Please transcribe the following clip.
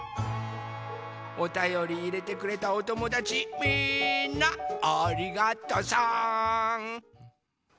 おたよりいれてくれたおともだちみんなありがとさん！